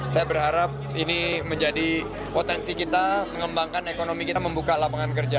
saya berharap ini menjadi potensi kita mengembangkan ekonomi kita membuka lapangan kerja